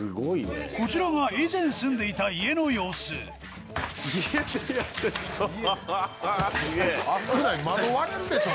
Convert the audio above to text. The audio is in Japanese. こちらが以前住んでいた家の様子危ない。